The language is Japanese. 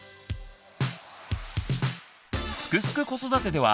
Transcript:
「すくすく子育て」では